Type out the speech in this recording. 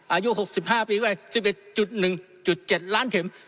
อายุ๖๕ปีด้วย๑๑๗ล้านเข็ม